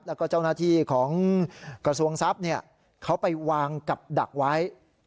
แล้วก็เจ้าหน้าที่ของกระทรวงทรัพย์เขาไปวางกับดักไว้